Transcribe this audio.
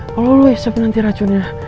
kalau lo isep nanti racunnya